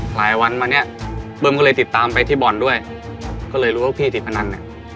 หลายวันมาเนี้ยเบิ้มก็เลยติดตามไปที่บ่อนด้วยก็เลยรู้ว่าพี่ติดพนันเนี่ย